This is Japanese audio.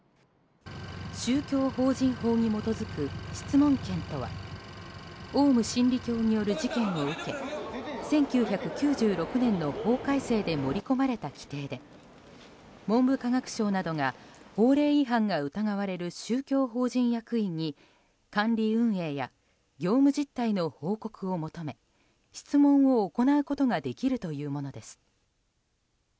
宗教法人法に基づく質問権とはオウム真理教による事件を受け１９９６年の法改正で盛り込まれた規定で文部科学省などが法令違反が疑われる宗教法人役員に管理運営や業務実態の報告を求め質問を行うことができるというものです。